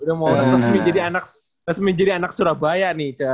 udah mau resmi jadi anak surabaya nih